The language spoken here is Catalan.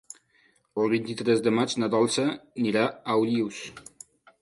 El vint-i-tres de maig na Dolça anirà a Olius.